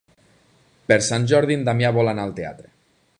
Per Sant Jordi en Damià vol anar al teatre.